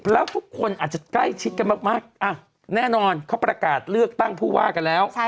แล้วทุกคนอาจจะใกล้ชิดกันมากแน่นอนเขาประกาศเลือกตั้งผู้ว่ากันแล้ว